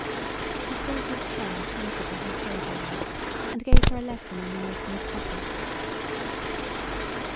He pulled his chair closer to her table then and gave her a lesson in the making of copy.